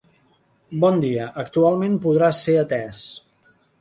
Bon dia, actualment podrà ser atès.